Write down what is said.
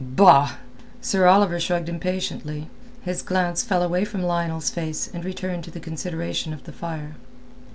"Bah!" Sir Oliver shrugged impatiently; his glance fell away from Lionel's face and returned to the consideration of the fire.